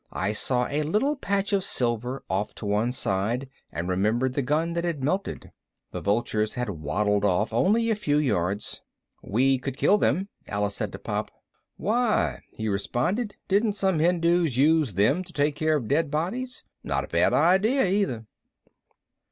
I saw a little patch of silver off to one side and remembered the gun that had melted. The vultures had waddled off but only a few yards. "We could kill them," Alice said to Pop. "Why?" he responded. "Didn't some Hindus use them to take care of dead bodies? Not a bad idea, either."